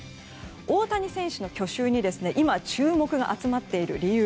大谷選手の去就に今、注目が集まっている理由。